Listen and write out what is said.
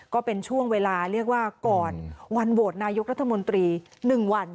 ก็เป็นช่วงเวลาเรียกว่าก่อนวันโหวตนายกรัฐมนตรี๑วัน